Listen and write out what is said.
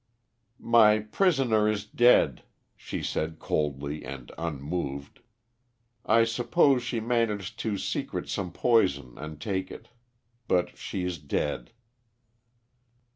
"My prisoner is dead," she said coldly and unmoved. "I supposed she managed to secret some poison and take it. But she is dead."